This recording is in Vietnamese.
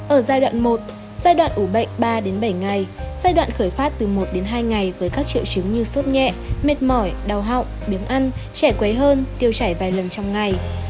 ở giai đoạn một giai đoạn ủ bệnh ba đến bảy ngày giai đoạn khởi phát từ một đến hai ngày với các triệu chứng như sốt nhẹ mệt mỏi đau họng biếng ăn trẻ quấy hơn tiêu chảy vài lần trong ngày